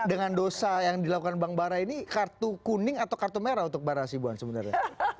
dengan dosa yang dilakukan bang bara ini kartu kuning atau kartu merah untuk bara sibuan sebenarnya